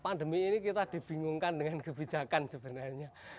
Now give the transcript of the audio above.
pandemi ini kita dibingungkan dengan kebijakan sebenarnya